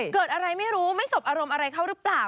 เกิดอะไรไม่รู้ไม่สบอารมณ์อะไรเขาหรือเปล่า